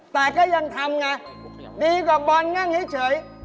แต่เขายังทำดีกว่าบอลนั่งให้เฉย